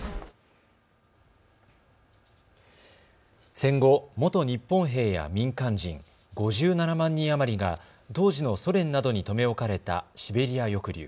戦後、元日本兵や民間人、５７万人余りが当時のソ連などに留め置かれたシベリア抑留。